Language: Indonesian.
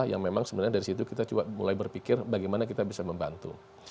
yang memang sebenarnya dari situ kita coba mulai berpikir bagaimana kita bisa membantu